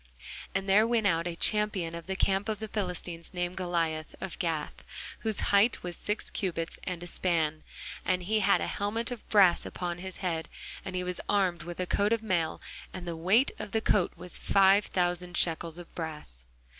And there went out a champion out of the camp of the Philistines, named Goliath, of Gath, whose height was six cubits and a span. And he had an helmet of brass upon his head, and he was armed with a coat of mail; and the weight of the coat was five thousand shekels of brass.